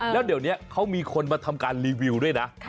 แล้วเดี๋ยวนี้เขามีคนมาทำการรีวิวด้วยนะ